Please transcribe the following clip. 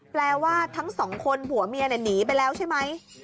แปลว่าทั้งสองคนผัวเมียหนีไปแล้วใช่ไหม